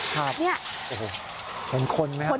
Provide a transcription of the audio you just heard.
เป็นคนไหมครับ